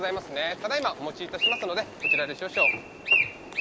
ただいまお持ちいたしますのでこちらで少々。